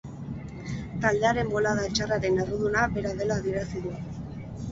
Taldearen bolada txarraren erruduna bera dela adierazi du.